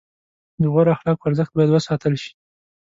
د غوره اخلاقو ارزښت باید وساتل شي.